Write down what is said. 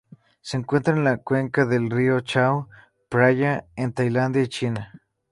Se encuentra en la cuenca del río Chao Phraya en Tailandia y China.